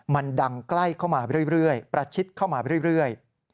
มันดังใกล้เข้ามาเรื่อยประชิดเข้ามาเรื่อย